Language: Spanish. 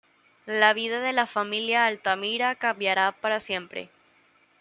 La vida de la familia Altamira cambiara para siempre.